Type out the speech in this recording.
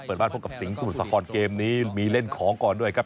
บ้านพบกับสิงห์สมุทรสาครเกมนี้มีเล่นของก่อนด้วยครับ